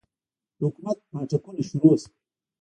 د حکومت پاټکونه شروع سول.